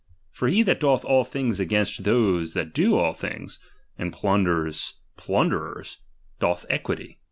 For he that doth all things against . those that do all things, and plunders plunderers, doth equity.